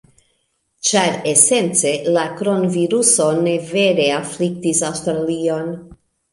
ĉar esence la kronviruso ne vere afliktis Aŭstralion.